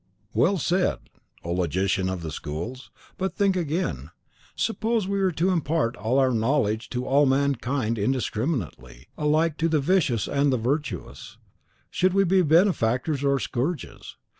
"Well said, O Logician of the Schools; but think again. Suppose we were to impart all our knowledge to all mankind indiscriminately, alike to the vicious and the virtuous, should we be benefactors or scourges?